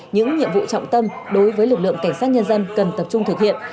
những nhiệm vụ trọng tâm đối với lực lượng cảnh sát nhân dân cần tập trung thực hiện